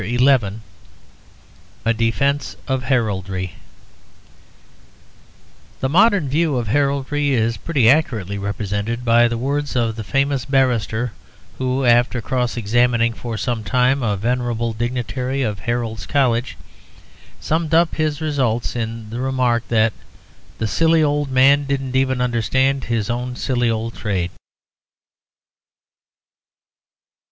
A DEFENCE OF HERALDRY The modern view of heraldry is pretty accurately represented by the words of the famous barrister who, after cross examining for some time a venerable dignitary of Heralds' College, summed up his results in the remark that 'the silly old man didn't even understand his own silly old trade.'